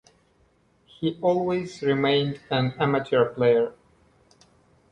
He always remained an amateur player.